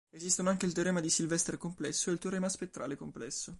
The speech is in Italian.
Esistono anche il teorema di Sylvester complesso e il teorema spettrale complesso.